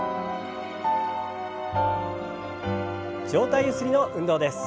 上体ゆすりの運動です。